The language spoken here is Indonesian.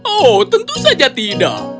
oh tentu saja tidak